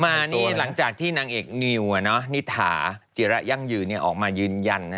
มานี่หลังจากที่นางเอกนิวนิถาจิระยั่งยืนออกมายืนยัน